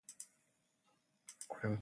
で ｗｆｒｔｔｊ